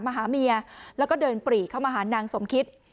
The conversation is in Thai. หาเมียแล้วก็เดินปรีเข้ามาหานางสมคิต